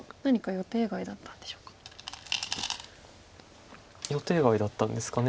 予定外だったんですかね。